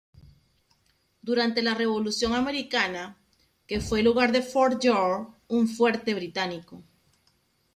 Durante la Revolución Americana, que fue el hogar de Fort George, un fuerte británico.